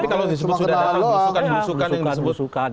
tapi kalau disebut sudah ada rusukan rusukan yang disebut dengan istilah berlian